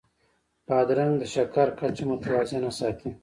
بادرنګ د شکر کچه متوازنه ساتي.